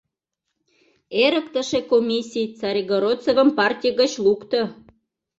Эрыктыше комиссий Царегородцевым партий гыч лукто.